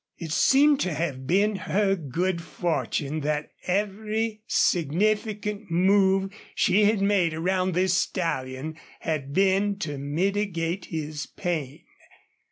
It seemed to have been her good fortune that every significant move she had made around this stallion had been to mitigate his pain.